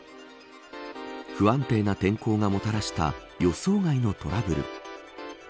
不安定な天候がもたらした予想外のトラブル。